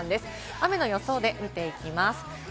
雨の予想で見ていきます。